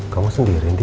kamu sendiri andi